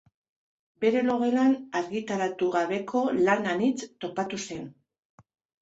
Bere logelan argitaratu gabeko lan anitz topatu zen.